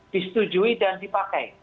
disetujui dan dipakai